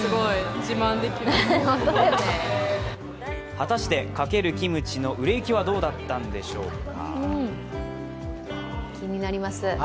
果たして×キムチの売れ行きはどうだったんでしょうか。